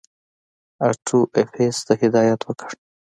آټو ایفز ته هدایت وکړ.